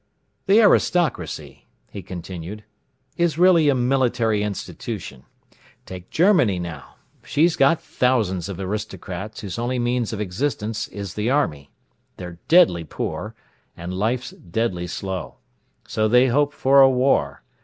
"The aristocracy," he continued, "is really a military institution. Take Germany, now. She's got thousands of aristocrats whose only means of existence is the army. They're deadly poor, and life's deadly slow. So they hope for a war.